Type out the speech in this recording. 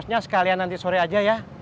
maksudnya sekalian nanti sore aja ya